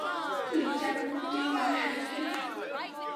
কি, যেমন, রুটি, মাংস, রুটি?